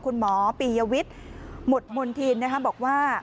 คุณหมอปียวิทย์หมุดมนธินบอกว่า